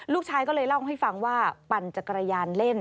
ลูกชายก็เลยเล่าให้ฟังว่าปั่นจักรยานเล่น